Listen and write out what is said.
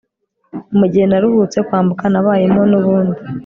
mugihe naruhutse kwambuka nabayemo nubundi